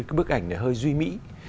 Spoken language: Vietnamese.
cái bức ảnh này hơi duy mỹ